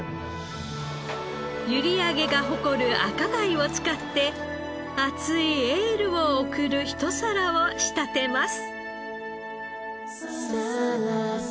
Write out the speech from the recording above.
閖上が誇る赤貝を使って熱いエールを送るひと皿を仕立てます。